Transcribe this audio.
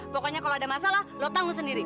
pokoknya kalau ada masalah lu tangguh sendiri